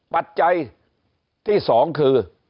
ปัจจัยที่๒คือ